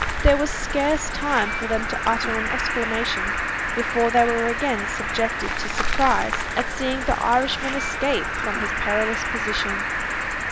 There was scarce time for them to utter an exclamation, before they were again subjected to surprise at seeing the Irishman escape from his perilous position.